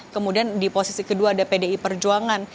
kemudian di posisi kedua ada pdi perjuangan